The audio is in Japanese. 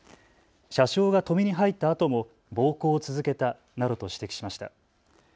車掌が止めに入ったあとも暴行を続けたなどと指摘しました。